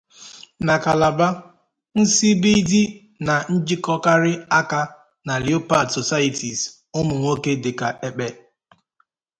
Na Calabar, nsibidi na-ejikọkarị aka na leopard societies ụmụ nwoke dịka Ekpe.